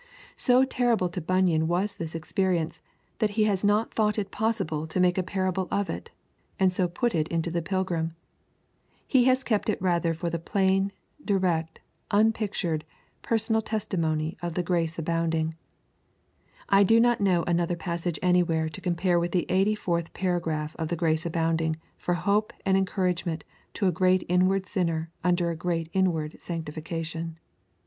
So terrible to Bunyan was this experience, that he has not thought it possible to make a parable of it, and so put it into the Pilgrim; he has kept it rather for the plain, direct, unpictured, personal testimony of the Grace Abounding. I do not know another passage anywhere to compare with the eighty fourth paragraph of Grace Abounding for hope and encouragement to a great inward sinner under a great inward sanctification.